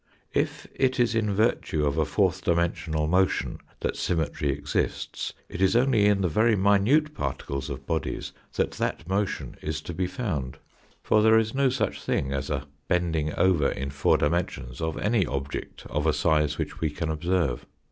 If it is in virtue of a four dimensional motion that sym metry exists, it is only in the very minute particles of bodies that that motion is to be found, for there is THE EVIDENCES FOR A FOURTH DIMENSION 79 no such thing as a bending over in four dimensions of any object of a size which we can observe.